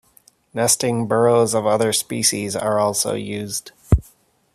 Nesting burrows of other species are also used.